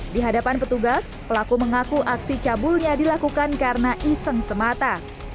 di hadapan petugas pelaku mengaku aksi cabulnya dilakukan karena iseng semata